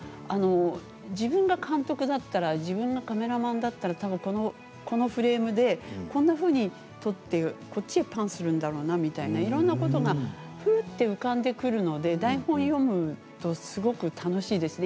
自分が監督だったら自分がカメラマンだったらたぶん、このフレームでこんなふうに撮ってこっちへパンするんだろうなみたいな、いろんなことがふっと浮かんでくるので台本を読むとすごく楽しいです。